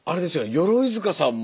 鎧塚さんも。